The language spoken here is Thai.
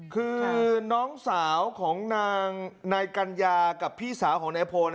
คือน้องสาวของนางนายกัญญากับพี่สาวของนายพล